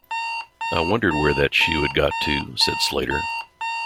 "I wondered where that shoe had got to," said Slater.